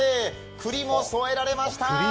くりも添えられました。